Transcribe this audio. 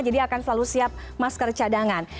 jadi anda akan selalu siap masker cadangan